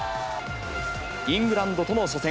イングランドとの初戦。